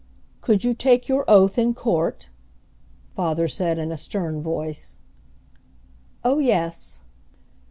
"Could you take your oath in court?" father said in a stern voice. "Oh, yes."